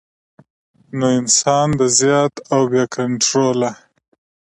نو انسان د زيات او بې کنټروله